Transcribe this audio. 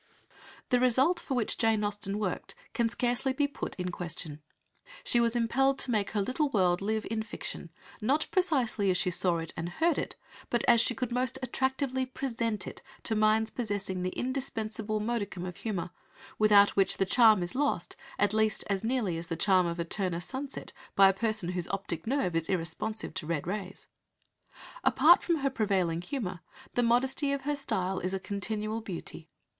The result for which Jane Austen worked can scarcely be put in question. She was impelled to make her little world live in fiction, not precisely as she saw it and heard it, but as she could most attractively present it to minds possessing the indispensable modicum of humour, without which the charm is lost at least as nearly as the charm of a Turner sunset by a person whose optic nerve is irresponsive to the red rays. Apart from her prevailing humour, the modesty of her style is a continual beauty.